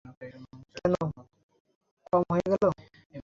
কেন, কম হয়ে গেলো?